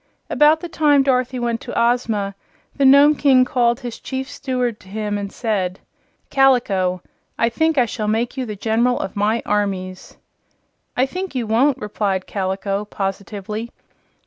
About the time Dorothy went to Ozma the Nome King called his Chief Steward to him and said: "Kaliko, I think I shall make you the General of my armies." "I think you won't," replied Kaliko, positively.